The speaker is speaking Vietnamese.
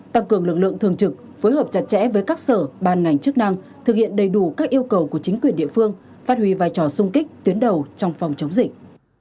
tăng cường lực lượng thường trực phối hợp chặt chẽ với các sở ban ngành chức năng thực hiện đầy đủ các yêu cầu của chính quyền địa phương phát huy vai trò sung kích tuyến đầu trong phòng chống dịch